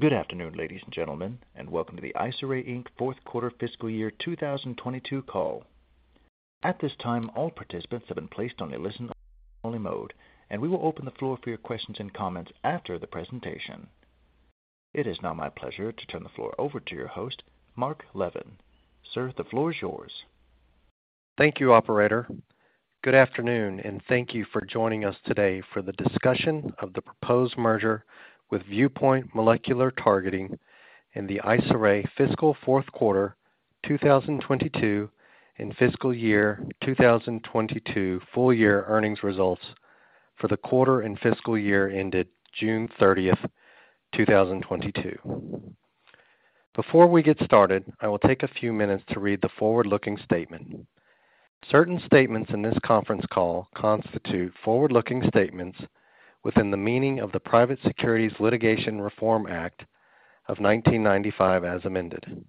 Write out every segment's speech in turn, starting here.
Good afternoon, ladies and gentlemen, and welcome to the IsoRay, Inc. Q4 fiscal year 2022 call. At this time, all participants have been placed on a listen-only mode, and we will open the floor for your questions and comments after the presentation. It is now my pleasure to turn the floor over to your host, Mark Levin. Sir, the floor is yours. Thank you, operator. Good afternoon, and thank you for joining us today for the discussion of the proposed merger with Viewpoint Molecular Targeting and the IsoRay fiscal Q4 2022 and fiscal year 2022 full-year earnings results for the quarter and fiscal year ended June 30, 2022. Before we get started, I will take a few minutes to read the forward-looking statement. Certain statements in this Conference Call constitute forward-looking statements within the meaning of the Private Securities Litigation Reform Act of 1995, as amended.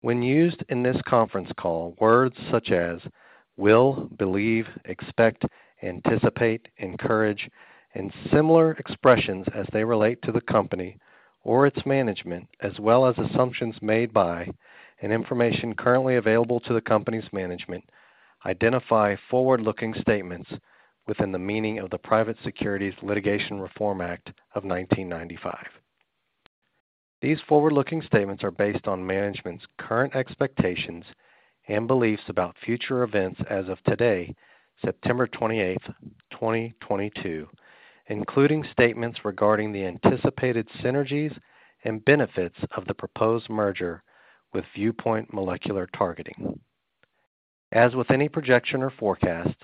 When used in this Conference Call, words such as will, believe, expect, anticipate, encourage, and similar expressions as they relate to the company or its management, as well as assumptions made by and information currently available to the company's management, identify forward-looking statements within the meaning of the Private Securities Litigation Reform Act of 1995. These forward-looking statements are based on management's current expectations and beliefs about future events as of today, September 28, 2022, including statements regarding the anticipated synergies and benefits of the proposed merger with Viewpoint Molecular Targeting. As with any projection or forecast,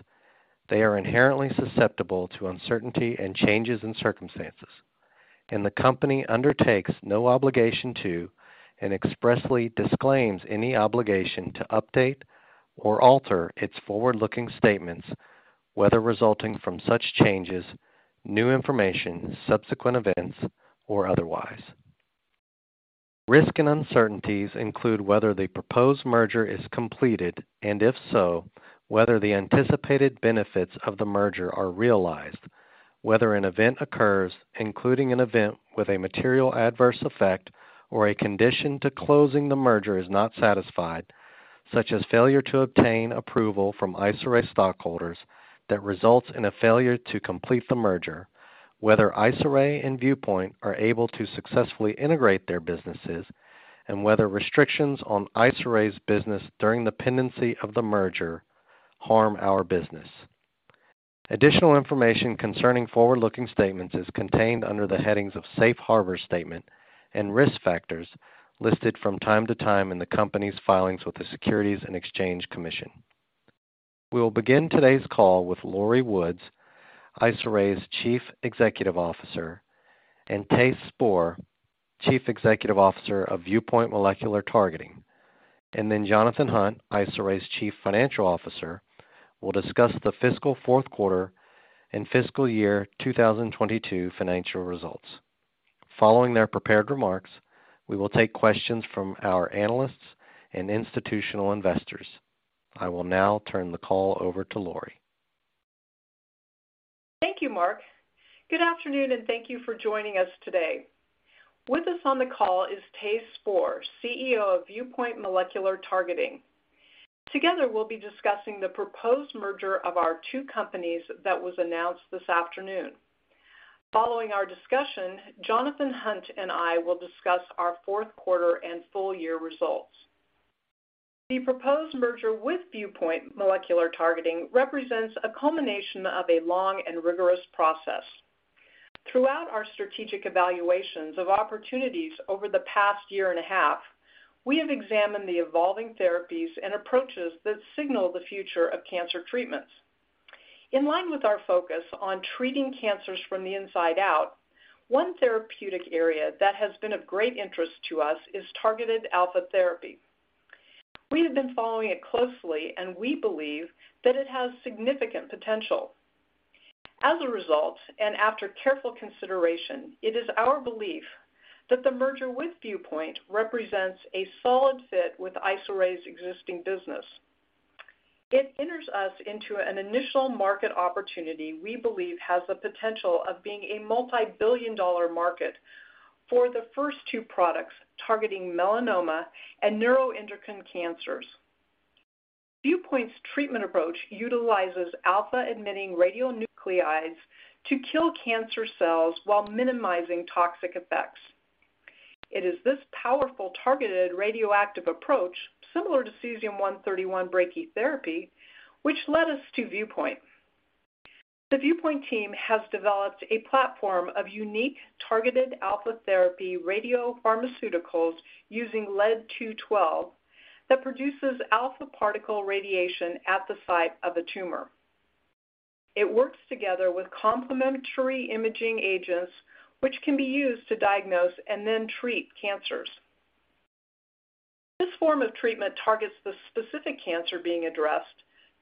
they are inherently susceptible to uncertainty and changes in circumstances, and the company undertakes no obligation to, and expressly disclaims any obligation to update or alter its forward-looking statements, whether resulting from such changes, new information, subsequent events, or otherwise. Risks and uncertainties include whether the proposed merger is completed, and if so, whether the anticipated benefits of the merger are realized, whether an event occurs, including an event with a material adverse effect or a condition to closing the merger is not satisfied, such as failure to obtain approval from IsoRay stockholders that results in a failure to complete the merger, whether IsoRay and Viewpoint are able to successfully integrate their businesses, and whether restrictions on IsoRay's business during the pendency of the merger harm our business. Additional information concerning forward-looking statements is contained under the headings of Safe Harbor Statement and Risk Factors listed from time to time in the company's filings with the Securities and Exchange Commission. We will begin today's call with Lori Woods, IsoRay's Chief Executive Officer, and Thijs Spoor, Chief Executive Officer of Viewpoint Molecular Targeting, and then Jonathan Hunt, IsoRay's Chief Financial Officer, will discuss the fiscal Q4 and fiscal year 2022 financial results. Following their prepared remarks, we will take questions from our analysts and institutional investors. I will now turn the call over to Lori. Thank you, Mark. Good afternoon, and thank you for joining us today. With us on the call is Thijs Spoor, CEO of Viewpoint Molecular Targeting. Together, we'll be discussing the proposed merger of our two companies that was announced this afternoon. Following our discussion, Jonathan Hunt and I will discuss our Q4 and full-year results. The proposed merger with Viewpoint Molecular Targeting represents a culmination of a long and rigorous process. Throughout our strategic evaluations of opportunities over the past year and a half, we have examined the evolving therapies and approaches that signal the future of cancer treatments. In line with our focus on treating cancers from the inside out, one therapeutic area that has been of great interest to us is targeted alpha therapy. We have been following it closely, and we believe that it has significant potential. As a result, and after careful consideration, it is our belief that the merger with Viewpoint represents a solid fit with IsoRay's existing business. It enters us into an initial market opportunity we believe has the potential of being a multi-billion dollar market for the first two products targeting melanoma and neuroendocrine cancers. Viewpoint's treatment approach utilizes alpha emitting radionuclides to kill cancer cells while minimizing toxic effects. It is this powerful targeted radioactive approach, similar to cesium-131 brachytherapy, which led us to Viewpoint. The Viewpoint team has developed a platform of unique targeted alpha therapy radiopharmaceuticals using lead-212 that produces alpha particle radiation at the site of a tumor. It works together with complementary imaging agents, which can be used to diagnose and then treat cancers. This form of treatment targets the specific cancer being addressed,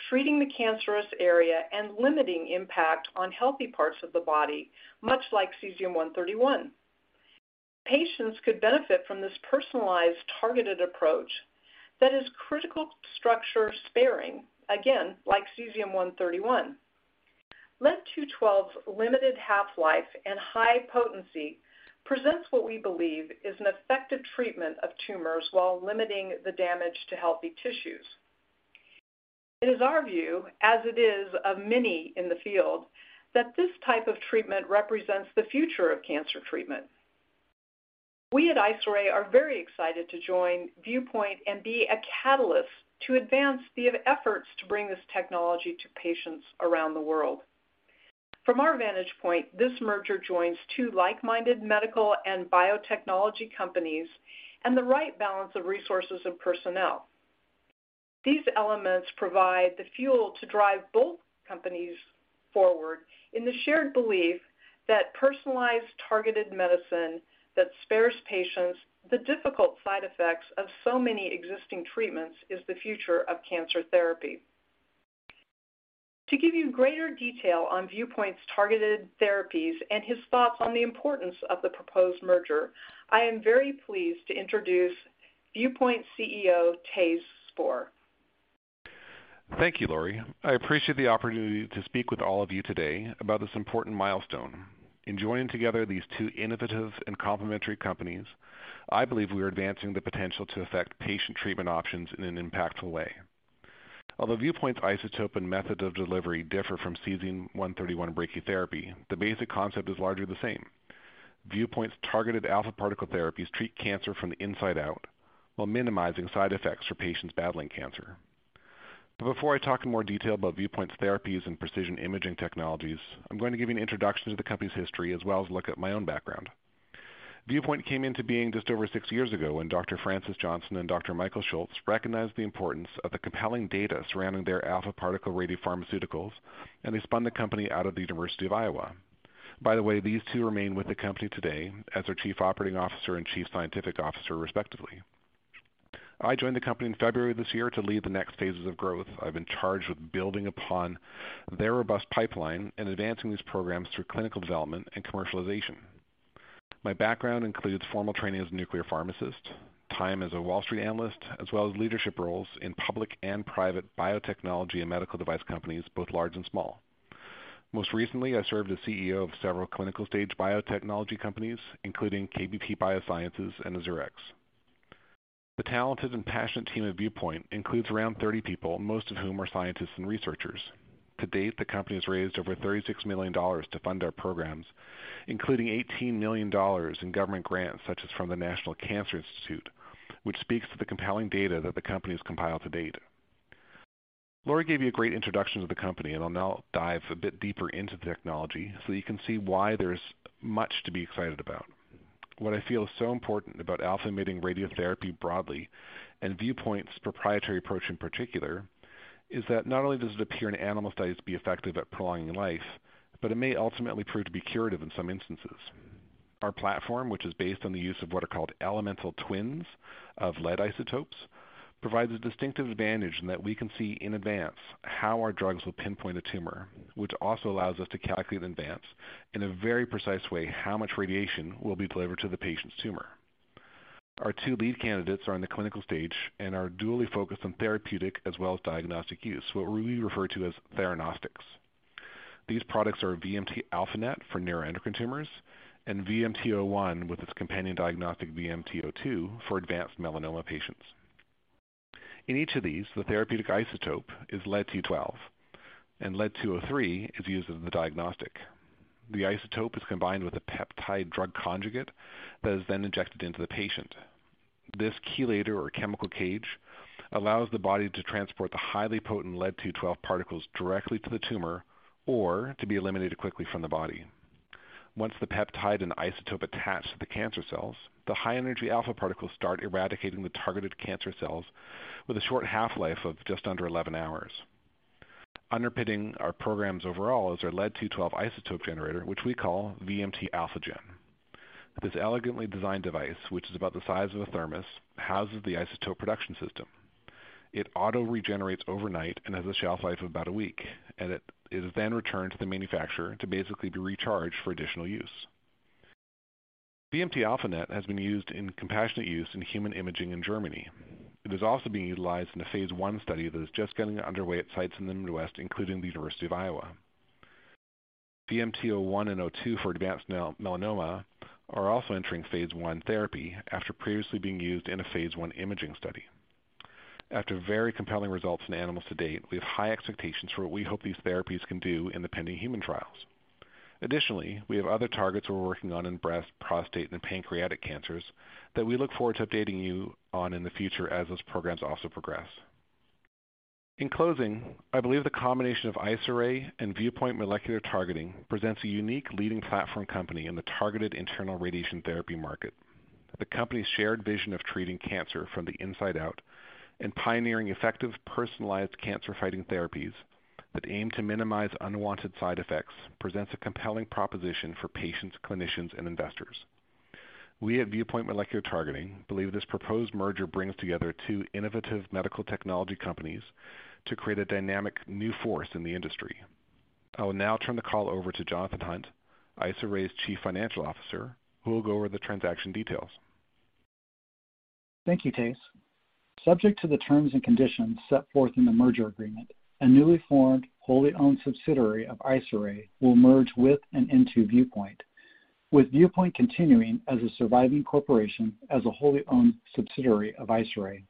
treating the cancerous area and limiting impact on healthy parts of the body, much like cesium-131. Patients could benefit from this personalized, targeted approach that is critical structure sparing, again, like cesium-131. Lead-212's limited half-life and high-potency presents what we believe is an effective treatment of tumors while limiting the damage to healthy tissues. It is our view, as it is of many in the field, that this type of treatment represents the future of cancer treatment. We at IsoRay are very excited to join Viewpoint and be a catalyst to advance via efforts to bring this technology to patients around the world. From our vantage point, this merger joins two like-minded medical and biotechnology companies and the right balance of resources and personnel. These elements provide the fuel to drive both companies forward in the shared belief that personalized, targeted medicine that spares patients the difficult side effects of so many existing treatments is the future of cancer therapy. To give you greater detail on Viewpoint's targeted therapies and his thoughts on the importance of the proposed merger, I am very pleased to introduce Viewpoint CEO, Thijs Spoor. Thank you, Lori. I appreciate the opportunity to speak with all of you today about this important milestone. In joining together these two innovative and complementary companies, I believe we are advancing the potential to affect patient treatment options in an impactful way. Although Viewpoint's isotope and method of delivery differ from cesium-one thirty-one brachytherapy, the basic concept is largely the same. Viewpoint's targeted alpha particle therapies treat cancer from the inside out while minimizing side effects for patients battling cancer. Before I talk in more detail about Viewpoint's therapies and precision imaging technologies, I'm going to give you an introduction to the company's history as well as look at my own background. Viewpoint came into being just over six years ago when Dr. Frances Johnson and Dr. Michael Schultz recognized the importance of the compelling data surrounding their alpha particle radiopharmaceuticals, and they spun the company out of the University of Iowa. By the way, these two remain with the company today as their Chief Operating Officer and Chief Scientific Officer, respectively. I joined the company in February of this year to lead the next phases of growth. I've been charged with building upon their robust pipeline and advancing these programs through clinical development and commercialization. My background includes formal training as a nuclear pharmacist, time as a Wall Street analyst, as well as leadership roles in public and private biotechnology and medical device companies, both large and small. Most recently, I served as CEO of several clinical-stage biotechnology companies, including KBP Biosciences and AzurRx. The talented and passionate team at Viewpoint includes around 30 people, most of whom are scientists and researchers. To date, the company has raised over $36 million to fund our programs, including $18 million in government grants, such as from the National Cancer Institute, which speaks to the compelling data that the company has compiled to date. Lori gave you a great introduction to the company, and I'll now dive a bit deeper into the technology so you can see why there's much to be excited about. What I feel is so important about alpha emitting radiotherapy broadly, and Viewpoint's proprietary approach in particular, is that not only does it appear in animal studies to be effective at prolonging life, but it may ultimately prove to be curative in some instances. Our platform, which is based on the use of what are called elemental twins of lead isotopes, provides a distinctive advantage in that we can see in advance how our drugs will pinpoint a tumor, which also allows us to calculate in advance, in a very precise way, how much radiation will be delivered to the patient's tumor. Our two lead candidates are in the clinical stage and are dually focused on therapeutic as well as diagnostic use, what we refer to as theranostics. These products are VMT-α-NET for neuroendocrine tumors and VMT-01 with its companion diagnostic VMT-02 for advanced melanoma patients. In each of these, the therapeutic isotope is lead-212 and lead-203 is used as the diagnostic. The isotope is combined with a peptide drug conjugate that is then injected into the patient. This chelator or chemical cage allows the body to transport the highly potent lead-212 particles directly to the tumor or to be eliminated quickly from the body. Once the peptide and isotope attach to the cancer cells, the high-energy alpha particles start eradicating the targeted cancer cells with a short half-life of just under 11 hours. Underpinning our programs overall is our lead-212 isotope generator, which we call VMT-AlphaGen. This elegantly designed device, which is about the size of a thermos, houses the isotope production system. It auto regenerates overnight and has a shelf life of about a week, and it is then returned to the manufacturer to basically be recharged for additional use. VMT-α-NET has been used in compassionate use in human imaging in Germany. It is also being utilized in a phase one study that is just getting underway at sites in the Midwest, including the University of Iowa. VMT-01 and VMT-02 for advanced melanoma are also entering phase one therapy after previously being used in a phase one imaging study. After very compelling results in animals to date, we have high expectations for what we hope these therapies can do in the pending human trials. Additionally, we have other targets we're working on in breast, prostate, and pancreatic cancers that we look forward to updating you on in the future as those programs also progress. In closing, I believe the combination of IsoRay and Viewpoint Molecular Targeting presents a unique leading platform company in the targeted internal radiation therapy market. The company's shared vision of treating cancer from the inside out and pioneering effective, personalized cancer fighting therapies that aim to minimize unwanted side effects presents a compelling proposition for patients, clinicians, and investors. We at Viewpoint Molecular Targeting believe this proposed merger brings together two innovative medical technology companies to create a dynamic new force in the industry. I will now turn the call over to Jonathan Hunt, IsoRay's Chief Financial Officer, who will go over the transaction details. Thank you, Thijs. Subject to the terms and conditions set forth in the merger agreement, a newly formed, wholly owned subsidiary of IsoRay will merge with and into Viewpoint, with Viewpoint continuing as a surviving corporation as a wholly owned subsidiary of IsoRay.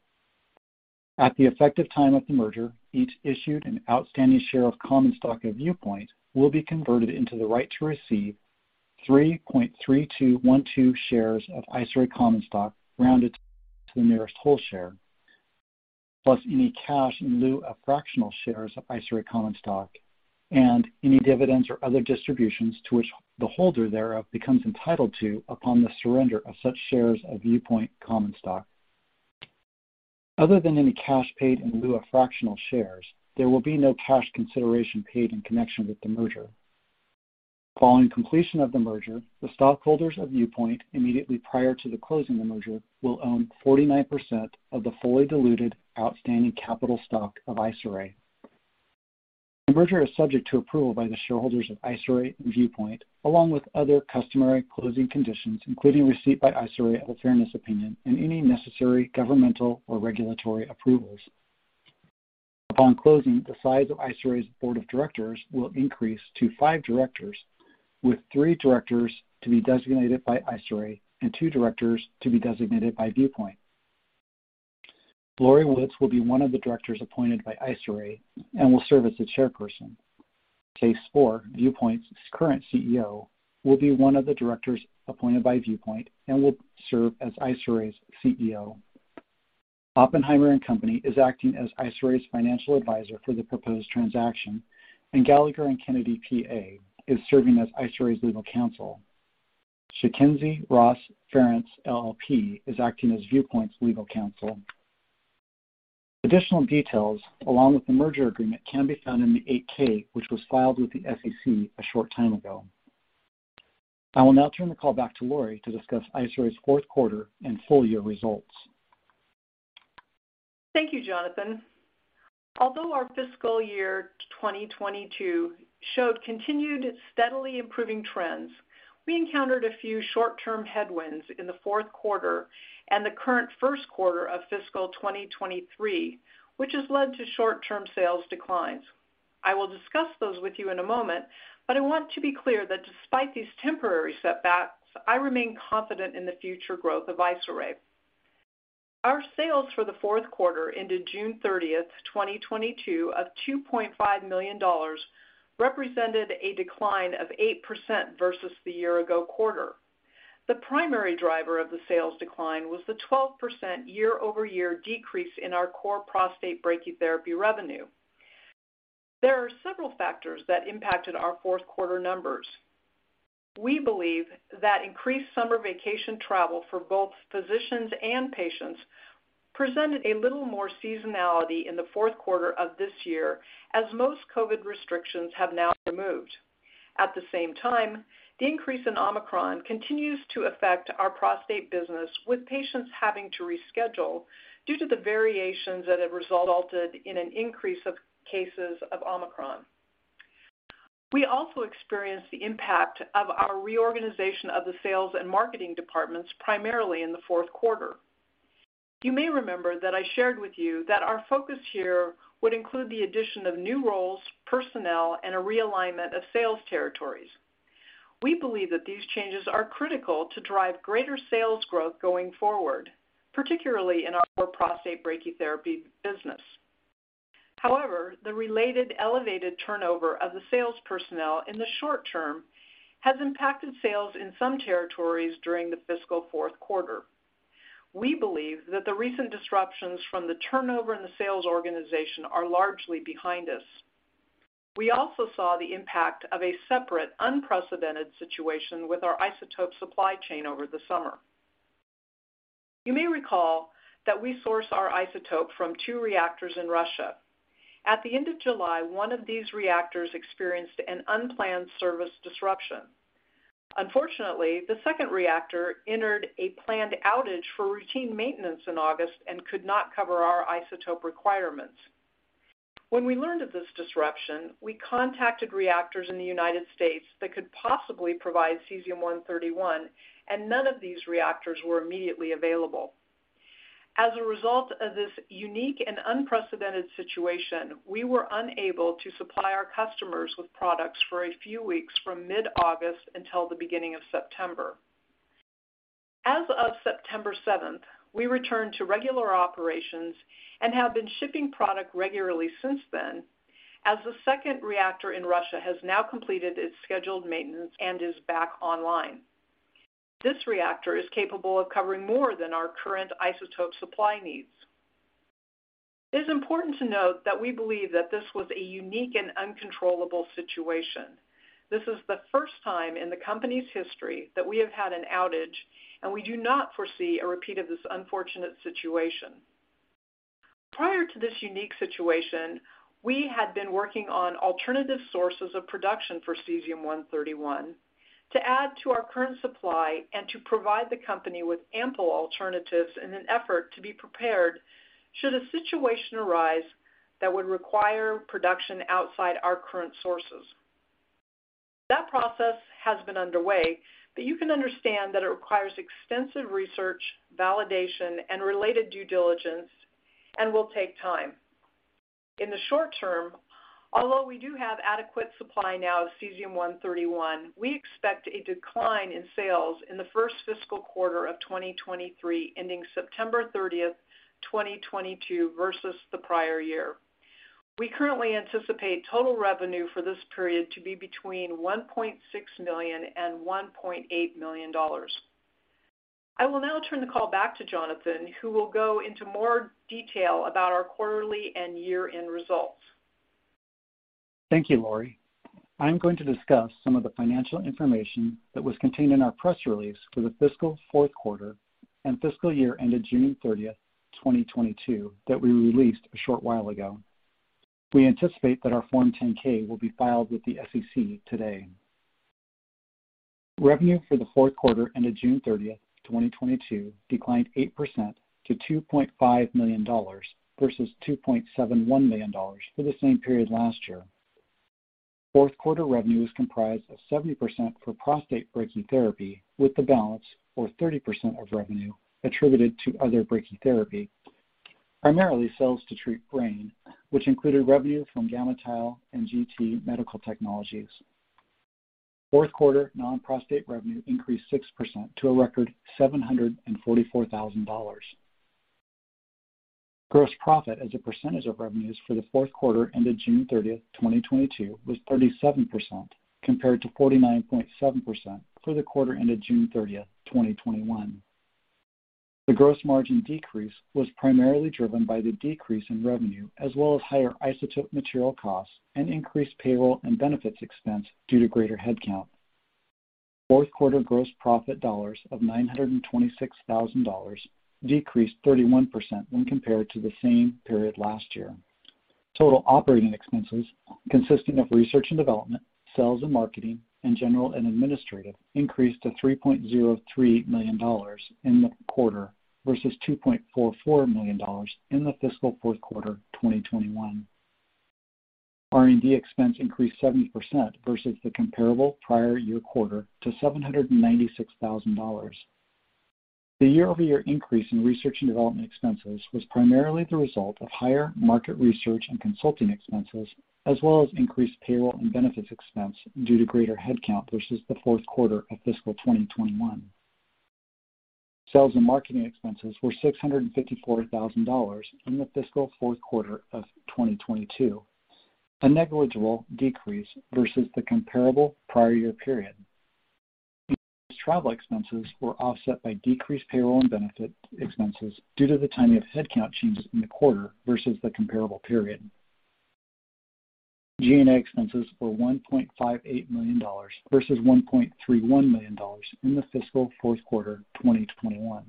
At the effective time of the merger, each issued and outstanding share of common stock of Viewpoint will be converted into the right to receive 3.3212 shares of IsoRay common stock rounded to the nearest whole share, plus any cash in lieu of fractional shares of IsoRay common stock and any dividends or other distributions to which the holder thereof becomes entitled to upon the surrender of such shares of Viewpoint common stock. Other than any cash paid in lieu of fractional shares, there will be no cash consideration paid in connection with the merger. Following completion of the merger, the stockholders of Viewpoint immediately prior to the closing of the merger will own 49% of the fully diluted outstanding capital stock of IsoRay. The merger is subject to approval by the shareholders of IsoRay and Viewpoint, along with other customary closing conditions, including receipt by IsoRay of a fairness opinion and any necessary governmental or regulatory approvals. Upon closing, the size of IsoRay's board of directors will increase to five directors, with three directors to be designated by IsoRay and two directors to be designated by Viewpoint. Lori Woods will be one of the directors appointed by IsoRay and will serve as the chairperson. Thijs Spoor, Viewpoint's current CEO, will be one of the directors appointed by Viewpoint and will serve as IsoRay's CEO. Oppenheimer & Co. Inc. is acting as IsoRay's financial advisor for the proposed transaction, and Gallagher & Kennedy, P.A. Is serving as IsoRay's legal counsel. Sichenzia Ross Ference LLP is acting as Viewpoint's legal counsel. Additional details along with the merger agreement can be found in the 8-K, which was filed with the SEC a short-time ago. I will now turn the call back to Lori to discuss IsoRay's Q4 and full-year results. Thank you, Jonathan. Although our fiscal year 2022 showed continued steadily improving trends, we encountered a few short-term headwinds in the Q4 and the current Q1 2023, which has led to short-term sales declines. I will discuss those with you in a moment, but I want to be clear that despite these temporary setbacks, I remain confident in the future growth of IsoRay. Our sales for the Q4 ended June 30, 2022 of $2.5 million represented a decline of 8% versus the year ago quarter. The primary driver of the sales decline was the 12% year-over-year decrease in our core prostate brachytherapy revenue. There are several factors that impacted our Q4 numbers. We believe that increased summer vacation travel for both physicians and patients presented a little more seasonality in the Q4 of this year as most COVID restrictions have now removed. At the same time, the increase in Omicron continues to affect our prostate business, with patients having to reschedule due to the variations that have resulted in an increase of cases of Omicron. We also experienced the impact of our reorganization of the sales and marketing departments primarily in the Q4. You may remember that I shared with you that our focus here would include the addition of new roles, personnel, and a realignment of sales territories. We believe that these changes are critical to drive greater sales growth going forward, particularly in our prostate brachytherapy business. However, the related elevated turnover of the sales personnel in the short-term has impacted sales in some territories during the fiscal Q4. We believe that the recent disruptions from the turnover in the sales organization are largely behind us. We also saw the impact of a separate unprecedented situation with our isotope supply chain over the summer. You may recall that we source our isotope from two reactors in Russia. At the end of July, one of these reactors experienced an unplanned service disruption. Unfortunately, the second reactor entered a planned outage for routine maintenance in August and could not cover our isotope requirements. When we learned of this disruption, we contacted reactors in the United States that could possibly provide cesium-131, and none of these reactors were immediately available. As a result of this unique and unprecedented situation, we were unable to supply our customers with products for a few weeks from mid-August until the beginning of September. As of September seventh, we returned to regular operations and have been shipping product regularly since then, as the second reactor in Russia has now completed its scheduled maintenance and is back online. This reactor is capable of covering more than our current isotope supply needs. It is important to note that we believe that this was a unique and uncontrollable situation. This is the first time in the company's history that we have had an outage, and we do not foresee a repeat of this unfortunate situation. Prior to this unique situation, we had been working on alternative sources of production for cesium-one thirty-one to add to our current supply and to provide the company with ample alternatives in an effort to be prepared should a situation arise that would require production outside our current sources. That process has been underway, but you can understand that it requires extensive research, validation and related due diligence and will take time. In the short-term, although we do have adequate supply now of cesium-one thirty-one, we expect a decline in sales in the first fiscal quarter of 2023, ending September 30, 2022 versus the prior year. We currently anticipate total revenue for this period to be between $1.6 million and $1.8 million. I will now turn the call back to Jonathan, who will go into more detail about our quarterly and year-end results. Thank you, Lori. I'm going to discuss some of the financial information that was contained in our press release for the fiscal Q4 and fiscal year ended June 30, 2022, that we released a short while ago. We anticipate that our Form 10-K will be filed with the SEC today. Revenue for the Q4 ended June 30, 2022, declined 8% to $2.5 million versus $2.71 million for the same period last year. Q4 revenue is comprised of 70% for prostate brachytherapy, with the balance, or 30% of revenue, attributed to other brachytherapy, primarily seeds to treat brain, which included revenue from GammaTile and GT Medical Technologies. Q4 non-prostate revenue increased 6% to a record $744,000. Gross profit as a percentage of revenues for the Q4 ended June 30, 2022, was 37% compared to 49.7% for the quarter ended June 30, 2021. The gross margin decrease was primarily driven by the decrease in revenue as well as higher-isotope material costs and increased payroll and benefits expense due to greater headcount. Q4 gross profit dollars of $926,000 decreased 31% when compared to the same period last-year. Total operating expenses consisting of research and development, sales and marketing, and general and administrative increased to $3.03 million in the quarter versus $2.44 million in the fiscal Q4 2021. R&D expense increased 70% versus the comparable prior year quarter to $796,000. The year-over-year increase in research and development expenses was primarily the result of higher market research and consulting expenses, as well as increased payroll and benefits expense due to greater headcount versus the Q4 of fiscal 2021. Sales and marketing expenses were $654,000 in the fiscal Q4 of 2022, a negligible decrease versus the comparable prior year period. Increased travel expenses were offset by decreased payroll and benefit expenses due to the timing of headcount changes in the quarter versus the comparable period. G&A expenses were $1.58 million versus $1.31 million in the fiscal Q4 2021.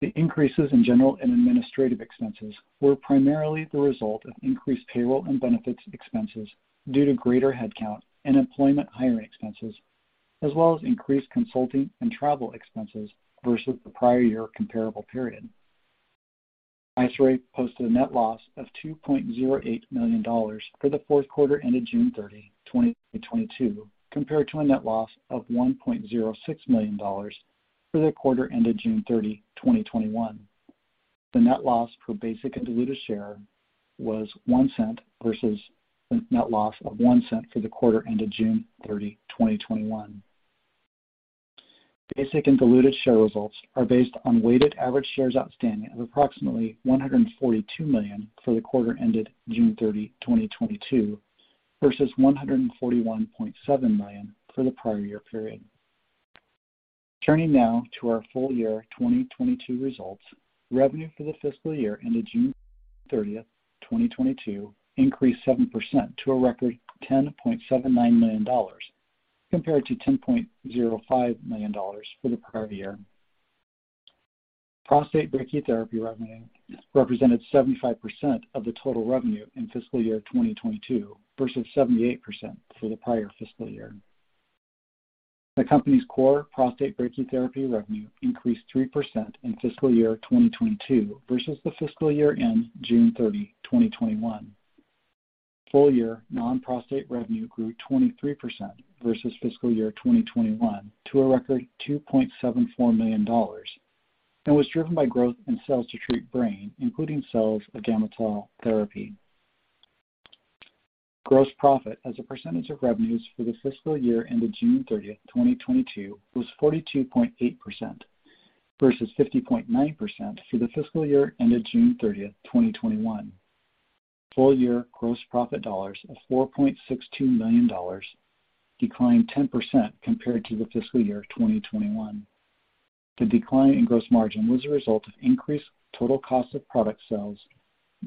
The increases in general and administrative expenses were primarily the result of increased payroll and benefits expenses due to greater headcount and employment hiring expenses, as well as increased consulting and travel expenses versus the prior year comparable period. IsoRay posted a net loss of $2.08 million for the Q4 ended June 30, 2022, compared to a net loss of $1.06 million for the quarter ended June 30, 2021. The net loss per basic and diluted share was $0.01 versus a net loss of $0.01 for the quarter ended June 30, 2021. Basic and diluted share results are based on weighted average shares outstanding of approximately 142 million for the quarter ended June 30, 2022 versus 141.7 million for the prior year period. Turning now to our full-year 2022 results. Revenue for the fiscal year ended June 30, 2022, increased 7% to a record $10.79 million, compared to $10.05 million for the prior year. Prostate brachytherapy revenue represented 75% of the total revenue in fiscal year 2022 versus 78% for the prior fiscal year. The company's core prostate brachytherapy revenue increased 3% in fiscal year 2022 versus the fiscal year ended June 30, 2021. Full-year non-prostate revenue grew 23% versus fiscal year 2021 to a record $2.74 million and was driven by growth in sales to treat brain, including sales of GammaTile therapy. Gross profit as a percentage of revenues for the fiscal year ended June 30, 2022, was 42.8% versus 50.9% for the fiscal year ended June 30, 2021. Full year gross profit dollars of $4.62 million declined 10% compared to the fiscal year of 2021. The decline in gross margin was a result of increased total cost of product sales,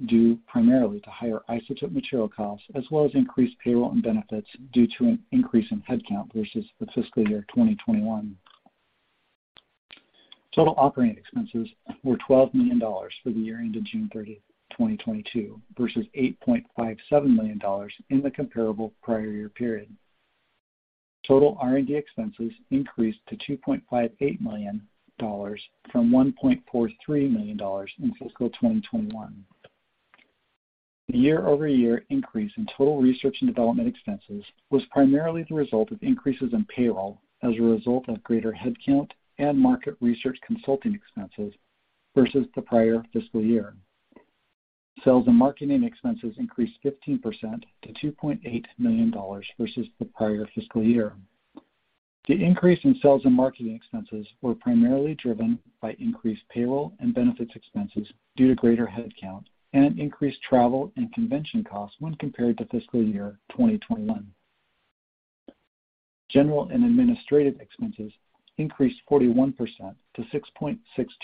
due primarily to higher-isotope material costs as well as increased payroll and benefits due to an increase in headcount versus the fiscal year 2021. Total operating expenses were $12 million for the year ended June 30, 2022, versus $8.57 million in the comparable prior year period. Total R&D expenses increased to $2.58 million from $1.43 million in fiscal 2021. The year-over-year increase in total research and development expenses was primarily the result of increases in payroll as a result of greater headcount and market research consulting expenses versus the prior fiscal year. Sales and marketing expenses increased 15% to $2.8 million versus the prior fiscal year. The increase in sales and marketing expenses were primarily driven by increased payroll and benefits expenses due to greater headcount and increased travel and convention costs when compared to fiscal year 2021. General and administrative expenses increased 41% to $6.62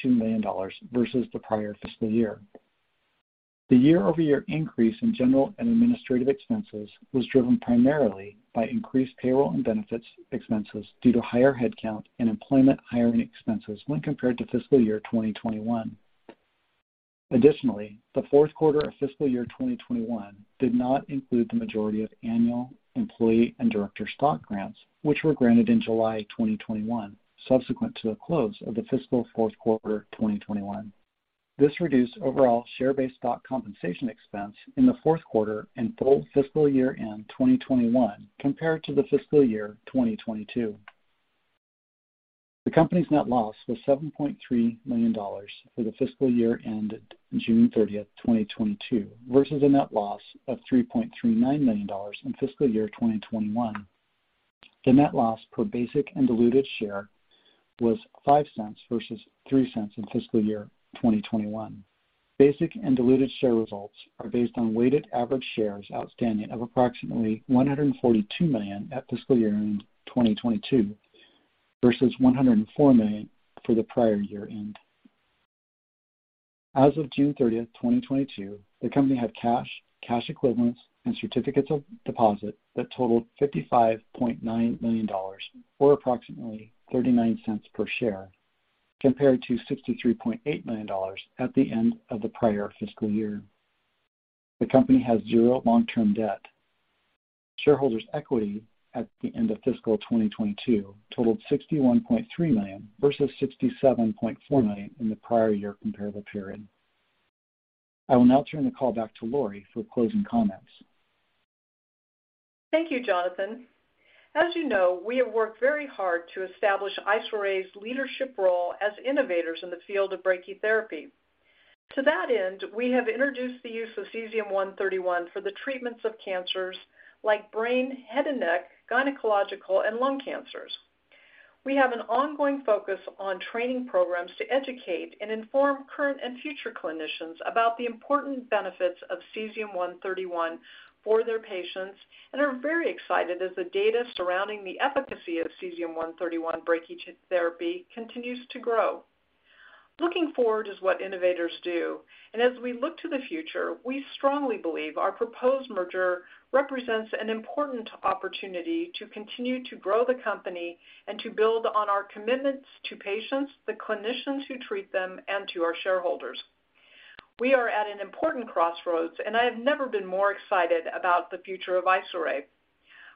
million versus the prior fiscal year. The year-over-year increase in general and administrative expenses was driven primarily by increased payroll and benefits expenses due to higher-headcount and employment hiring expenses when compared to fiscal year 2021. Additionally, the Q4 of fiscal year 2021 did not include the majority of annual employee and director stock grants, which were granted in July 2021, subsequent to the close of the fiscal Q4 2021. This reduced overall share-based stock compensation expense in the Q4 and full fiscal year-end 2021 compared to the fiscal year 2022. The company's net loss was $7.3 million for the fiscal year ended June thirtieth, 2022, versus a net loss of $3.39 million in fiscal year 2021. The net loss per basic and diluted share was $0.05 versus $0.03 in fiscal year 2021. Basic and diluted share results are based on weighted average shares outstanding of approximately 142 million at fiscal year-end 2022 versus 104 million for the prior year-end. As of June 30, 2022, the company had cash equivalents, and certificates of deposit that totaled $55.9 million, or approximately $0.39 per share, compared to $63.8 million at the end of the prior fiscal year. The company has 0 long-term debt. Shareholders' equity at the end of fiscal 2022 totaled $61.3 million versus $67.4 million in the prior year comparable period. I will now turn the call back to Lori for closing comments. Thank you, Jonathan. As you know, we have worked very hard to establish IsoRay's leadership role as innovators in the field of brachytherapy. To that end, we have introduced the use of cesium-131 for the treatments of cancers like brain, head and neck, gynecological, and lung cancers. We have an ongoing focus on training programs to educate and inform current and future clinicians about the important benefits of cesium-131 for their patients and are very excited as the data surrounding the efficacy of cesium-131 brachytherapy continues to grow. Looking forward is what innovators do, and as we look to the future, we strongly believe our proposed merger represents an important opportunity to continue to grow the company and to build on our commitments to patients, the clinicians who treat them, and to our shareholders. We are at an important crossroads, and I have never been more excited about the future of IsoRay.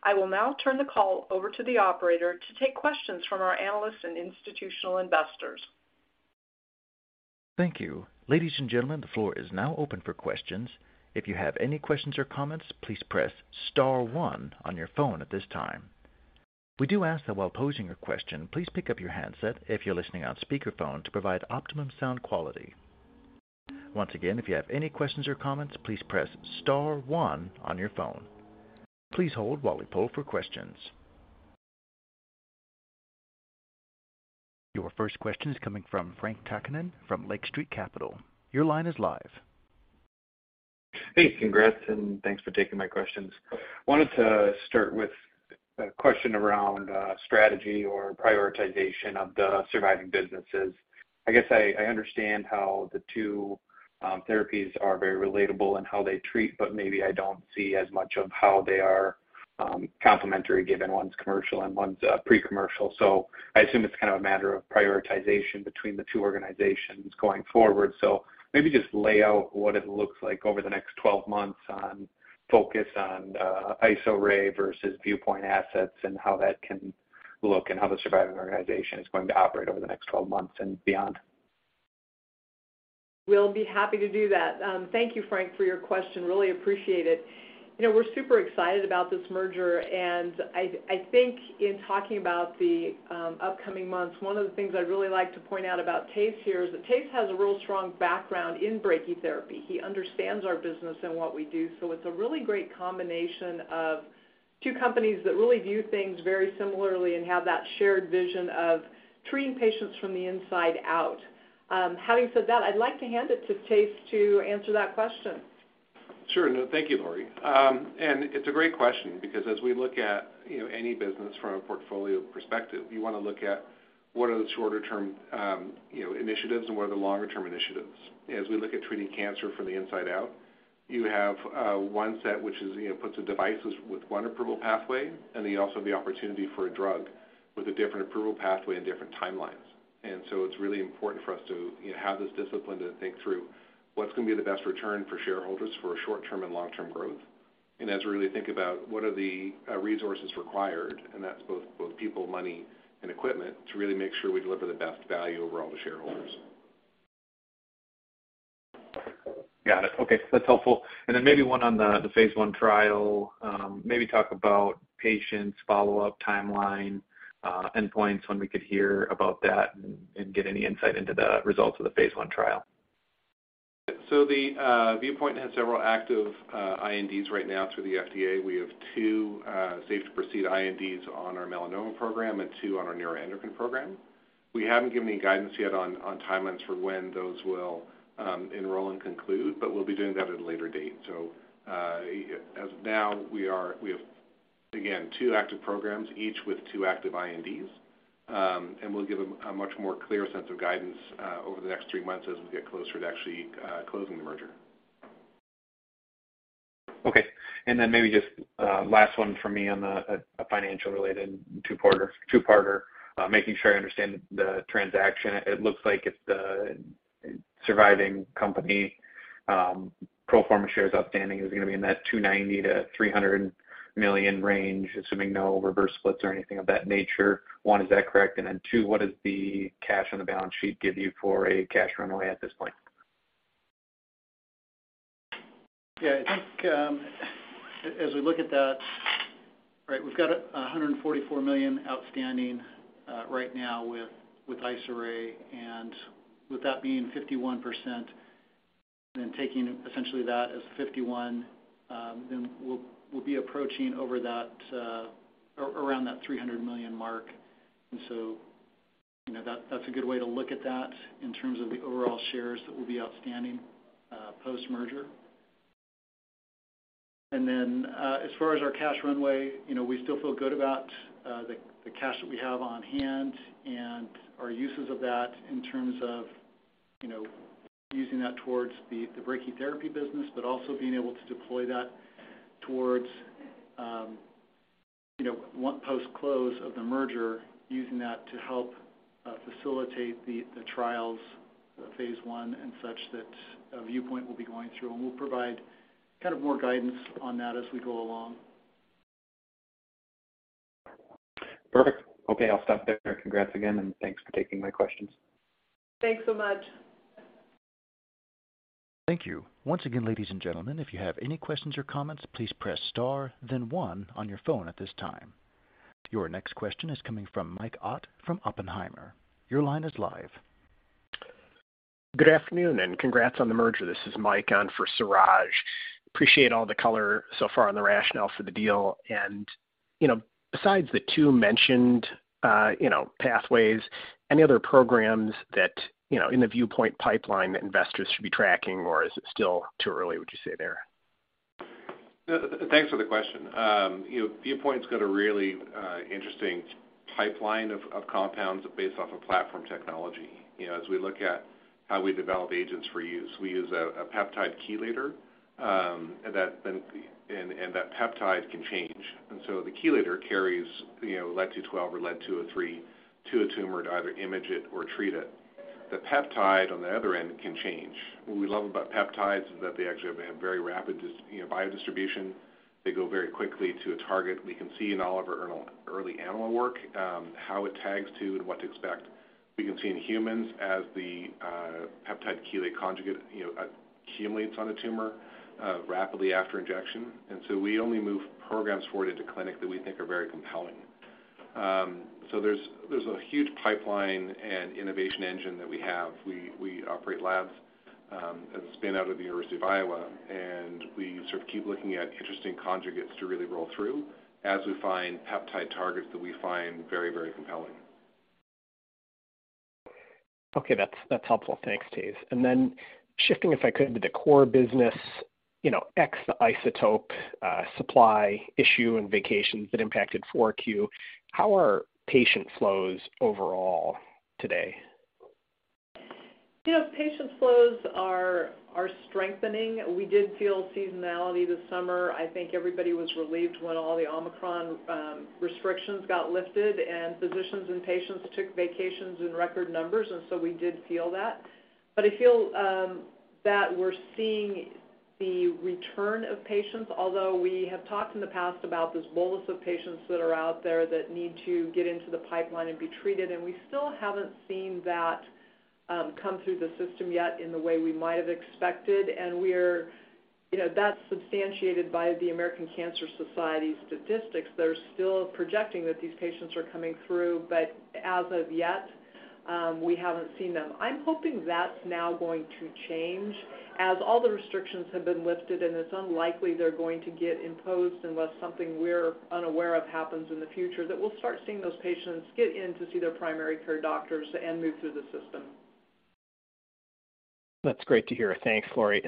I will now turn the call over to the operator to take questions from our analysts and institutional investors. Thank you. Ladies and gentlemen, the floor is now open for questions. If you have any questions or comments, please press star one on your phone at this time. We do ask that while posing your question, please pick up your handset if you're listening on speakerphone to provide optimum sound quality. Once again, if you have any questions or comments, please press star one on your phone. Please hold while we poll for questions. Your first question is coming from Frank Takkinen from Lake Street Capital Markets. Your line is live. Hey, congrats, and thanks for taking my questions. Wanted to start with a question around strategy or prioritization of the surviving businesses. I guess I understand how the two therapies are very relatable in how they treat, but maybe I don't see as much of how they are complementary given one's commercial and one's pre-commercial. I assume it's kind of a matter of prioritization between the two organizations going forward. Maybe just lay out what it looks like over the next 12 months on focus on IsoRay versus Viewpoint assets and how that can look and how the surviving organization is going to operate over the next 12 months and beyond. We'll be happy to do that. Thank you, Frank, for your question. Really appreciate it. You know, we're super excited about this merger, and I think in talking about the upcoming months, one of the things I'd really like to point out about Thijs here is that Thijs has a real strong background in brachytherapy. He understands our business and what we do, so it's a really great combination of two companies that really view things very similarly and have that shared vision of treating patients from the inside out. Having said that, I'd like to hand it to Thijs to answer that question. Sure. No, thank you, Lori. It's a great question because as we look at, you know, any business from a portfolio perspective, you wanna look at what are the shorter-term, you know, initiatives and what are the longer-term initiatives. As we look at treating cancer from the inside out, you have one set which is, you know, puts the devices with one approval pathway and then also the opportunity for a drug with a different approval pathway and different timelines. It's really important for us to, you know, have this discipline to think through what's gonna be the best return for shareholders for a short-term and long-term growth. As we really think about what are the resources required, and that's both people, money and equipment to really make sure we deliver the best value overall to shareholders. Got it. Okay. That's helpful. Maybe one on the phase 1 trial. Maybe talk about patients, follow-up timeline, endpoints, when we could hear about that and get any insight into the results of the phase 1 trial. The Viewpoint has several active INDs right now through the FDA. We have 2 safe to proceed INDs on our melanoma program and 2 on our neuroendocrine program. We haven't given any guidance yet on timelines for when those will enroll and conclude, but we'll be doing that at a later date. As of now, we have, again, 2 active programs, each with 2 active INDs. We'll give a much more clear sense of guidance over the next 3 months as we get closer to actually closing the merger. Okay. Then maybe just last one for me on a financial-related two-parter, making sure I understand the transaction. It looks like if the surviving company pro forma shares outstanding is gonna be in that 290-300 million range, assuming no reverse splits or anything of that nature. One, is that correct? Then two, what does the cash on the balance sheet give you for a cash runway at this point? Yeah. I think, as we look at that, right, we've got 144 million outstanding, right now with IsoRay and with that being 51% and then taking essentially that as 51, then we'll be approaching over that, around that 300 million mark. You know, that's a good way to look at that in terms of the overall shares that will be outstanding, post-merger. as far as our cash runway, you know, we still feel good about the cash that we have on hand and our uses of that in terms of, you know, using that towards the brachytherapy business, but also being able to deploy that towards, you know, once post-close of the merger, using that to help facilitate the trials, phase one and such that Viewpoint will be going through. We'll provide kind of more guidance on that as we go along. Perfect. Okay, I'll stop there. Congrats again, and thanks for taking my questions. Thanks so much. Thank you. Once again, ladies and gentlemen, if you have any questions or comments, please press star then one on your phone at this time. Your next question is coming from Mike Ott from Oppenheimer. Your line is live. Good afternoon, and congrats on the merger. This is Mike on for Suraj. Appreciate all the color so far on the rationale for the deal. You know, besides the two mentioned, you know, pathways, any other programs that, you know, in the Viewpoint pipeline that investors should be tracking, or is it still too early, would you say there? Thanks for the question. You know, Viewpoint's got a really interesting pipeline of compounds based off of platform technology. You know, as we look at how we develop agents for use, we use a peptide chelator, and that peptide can change. The chelator carries, you know, lead-212 or lead-203 to a tumor to either image it or treat it. The peptide on the other end can change. What we love about peptides is that they actually have a very rapid biodistribution. They go very quickly to a target. We can see in all of our early animal work how it targets and what to expect. We can see in humans as the peptide chelator conjugate, you know, accumulates on a tumor rapidly after injection. We only move programs forward into clinic that we think are very compelling. There's a huge pipeline and innovation engine that we have. We operate labs that spin out of the University of Iowa, and we sort of keep looking at interesting conjugates to really roll through as we find peptide targets that we find very, very compelling. Okay. That's helpful. Thanks, Thijs. Shifting, if I could, to the core business, you know, ex the isotope supply issue and vacations that impacted 4Q. How are patient flows overall today? You know, patient flows are strengthening. We did feel seasonality this summer. I think everybody was relieved when all the Omicron restrictions got lifted and physicians and patients took vacations in record numbers, and so we did feel that. But I feel that we're seeing the return of patients, although we have talked in the past about this bolus of patients that are out there that need to get into the pipeline and be treated. We're, you know, that's substantiated by the American Cancer Society statistics that are still projecting that these patients are coming through, but as of yet, we haven't seen them. I'm hoping that's now going to change as all the restrictions have been lifted, and it's unlikely they're going to get imposed unless something we're unaware of happens in the future, that we'll start seeing those patients get in to see their primary care doctors and move through the system. That's great to hear. Thanks, Lori.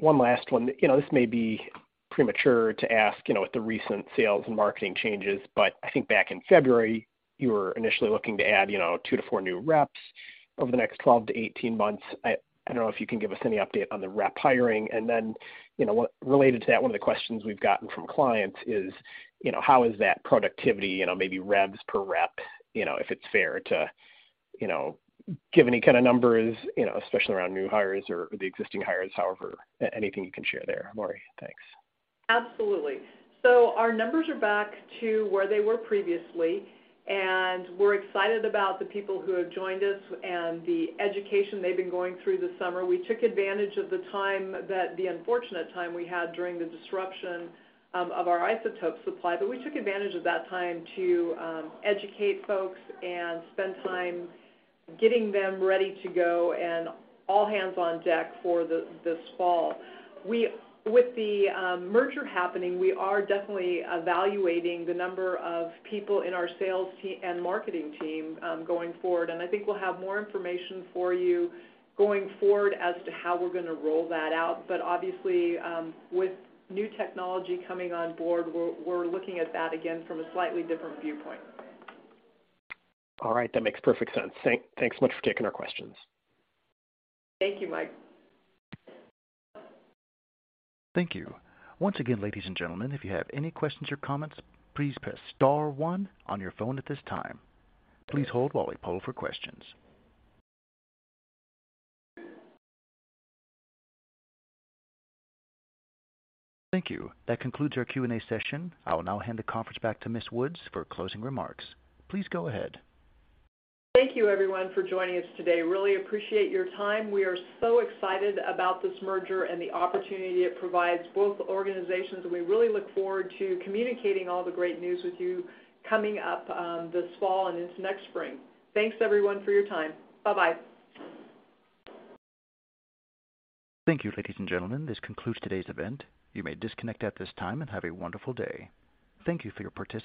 One last one. You know, this may be premature to ask, you know, with the recent sales and marketing changes, but I think back in February, you were initially looking to add, you know, 2-4 new reps over the next 12-18 months. I don't know if you can give us any update on the rep hiring. You know, what related to that, one of the questions we've gotten from clients is, you know, how is that productivity, you know, maybe revs per rep, you know, if it's fair to give any kind of numbers, you know, especially around new hires or the existing hires, however, anything you can share there, Lori? Thanks. Absolutely. Our numbers are back to where they were previously, and we're excited about the people who have joined us and the education they've been going through this summer. We took advantage of the unfortunate time we had during the disruption of our isotope supply. We took advantage of that time to educate folks and spend time getting them ready to go and all hands on deck for this fall. With the merger happening, we are definitely evaluating the number of people in our sales and marketing team going forward. I think we'll have more information for you going forward as to how we're gonna roll that out. Obviously, with new technology coming on board, we're looking at that again from a slightly different viewpoint. All right. That makes perfect sense. Thanks much for taking our questions. Thank you, Mike. Thank you. Once again, ladies and gentlemen, if you have any questions or comments, please press star one on your phone at this time. Please hold while we poll for questions. Thank you. That concludes our Q&A session. I will now hand the conference back to Miss Woods for closing remarks. Please go ahead. Thank you, everyone, for joining us today. Really appreciate your time. We are so excited about this merger and the opportunity it provides both organizations. We really look forward to communicating all the great news with you coming up, this fall and into next spring. Thanks, everyone, for your time. Bye-bye. Thank you, ladies and gentlemen. This concludes today's event. You may disconnect at this time, and have a wonderful day. Thank you for your participation.